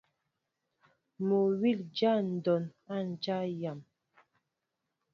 Mol wi dya ndɔn a dya yam.